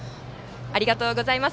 ありがとうございます。